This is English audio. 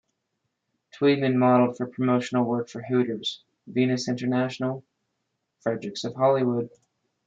Tweeden modeled for promotional work for Hooters, Venus International, Frederick's of Hollywood.